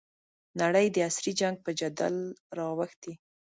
نړۍ د عصري جنګ په جدل رااوښتې.